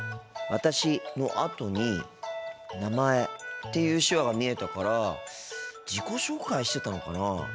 「私」のあとに「名前」っていう手話が見えたから自己紹介してたのかなあ。